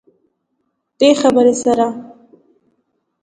دې خبرې سره